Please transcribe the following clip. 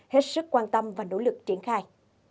hết sức quan tâm và nỗ lực triển khai